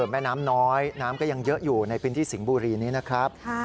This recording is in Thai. แม่น้ำน้อยน้ำก็ยังเยอะอยู่ในพื้นที่สิงห์บุรีนี้นะครับ